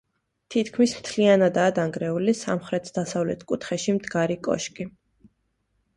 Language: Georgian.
თითქმის მთლიანადაა დანგრეული სამხრეთ-დასავლეთ კუთხეში მდგარი კოშკი.